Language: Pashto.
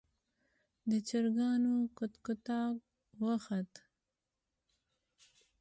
د چرګانو کټکټاک وخوت.